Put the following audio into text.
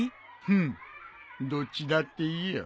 フンッどっちだっていいよ。